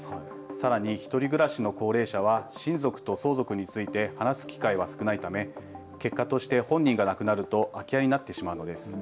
さらに１人暮らしの高齢者は親族と相続について話す機会が少ないため結果として本人が亡くなると空き家になってしまうのです。